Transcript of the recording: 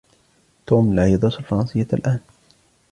توم لا يدرس الفرنسية الآن.